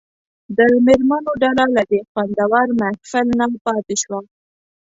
د مېرمنو ډله له دې خوندور محفل نه پاتې شوه.